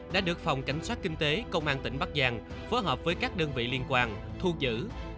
đã được phòng cảnh sát kinh tế công an tỉnh bắc giang phối hợp với các đơn vị liên quan thu giữ